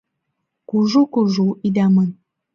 Кужу-кужу ида ман